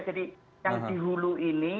jadi yang dihulu ini